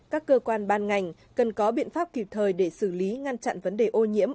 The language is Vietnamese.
các cơ quan ban ngành cần có biện pháp kịp thời để xử lý ngăn chặn vấn đề ô nhiễm